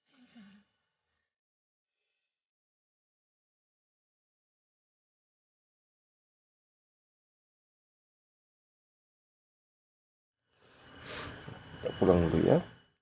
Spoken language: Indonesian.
kita pulang dulu ya